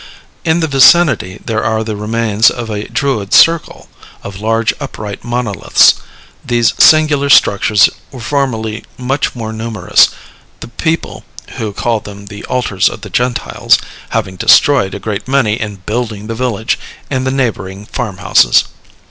In the vicinity there are the remains of a Druid circle, of large upright monoliths. These singular structures were formerly much more numerous, the people (who call them "the altars of the Gentiles") having destroyed a great many in building the village and the neighboring farm houses.